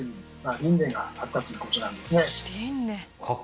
これあったということなんですね。